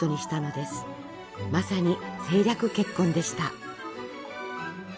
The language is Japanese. まさに政略結婚でした。